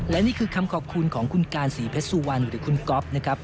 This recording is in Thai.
และนี่คือคำขอบคุณของคุณการศรีเพชรสุวรรณหรือคุณก๊อฟนะครับ